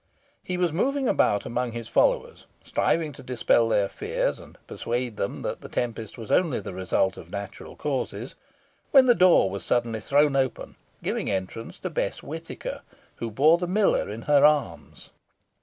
He was moving about among his followers, striving to dispel their fears, and persuade them that the tempest was only the result of natural causes, when the door was suddenly thrown open, giving entrance to Bess Whitaker, who bore the miller in her arms.